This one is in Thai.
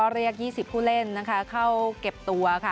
เรียก๒๐ผู้เล่นเข้าเก็บตัวค่ะ